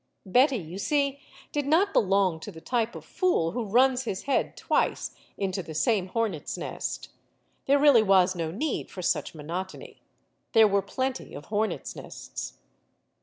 Betty, you see, did not belong to the type of fool who runs his head twice into the same hornet's nest. There really was no need for such monotony. There were plenty of hornets' nests.